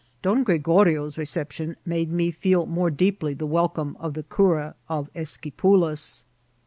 Don Ghregorio's reception made me feel more deeply tiie welcome of the cura of Esquipulas.